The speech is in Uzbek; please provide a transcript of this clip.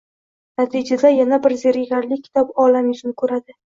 Natijada yana bir zerikarli kitob olam yuzini ko‘radi.